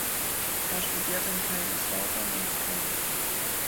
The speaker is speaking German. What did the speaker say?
Er studierte in Kaiserslautern und Bremen.